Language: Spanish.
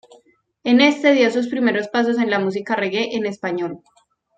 En este dio sus primeros pasos en la música Reggae en Español.